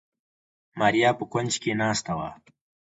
ماريا په کونج کې ناسته وه.